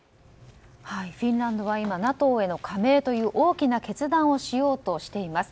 フィンランドは今、ＮＡＴＯへの加盟という大きな決断をしようとしています。